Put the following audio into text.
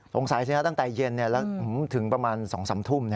สงสัยจริงตั้งแต่เย็นแล้วถึงประมาณสองสามทุ่ม